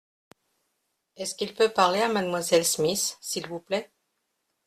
Est-ce qu’il peut parler à mademoiselle Smith, s’il vous plait ?